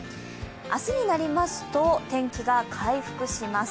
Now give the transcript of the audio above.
明日になりますと天気が回復します。